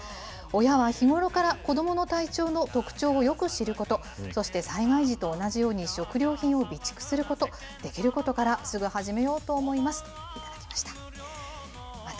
親は日頃から子どもの体調の特徴をよく知ること、そして災害時と同じように食料品を備蓄すること、できることからすぐ始めようと思いますと頂きました。